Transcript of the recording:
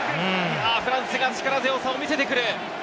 フランスが力強さを見せてくる。